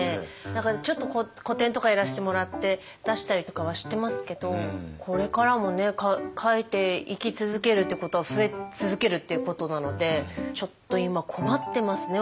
何かちょっと個展とかやらせてもらって出したりとかはしてますけどこれからも描いていき続けるってことは増え続けるっていうことなのでちょっと今困ってますね。